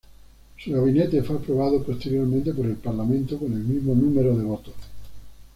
Su gabinete fue aprobado posteriormente por el Parlamento con el mismo número de votos.